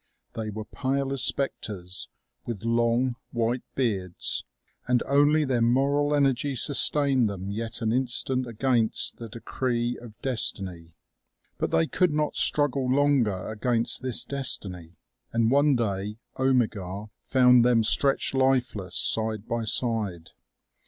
They were pale as specters, with long, white beards, and only their moral energy sustained them yet an instant against the de cree of destiny. But they could not struggle longer against this destiny, and one day Omegar found them stretched lifeless, side by side.